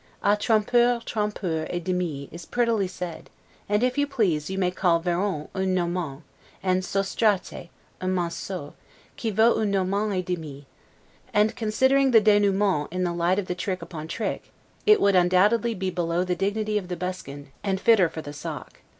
A 'trompeur trompeur et demi' is prettily said; and, if you please, you may call 'Varon, un Normand', and 'Sostrate, un Manceau, qui vaut un Normand et demi'; and, considering the 'denouement' in the light of trick upon trick, it would undoubtedly be below the dignity of the buskin, and fitter for the sock.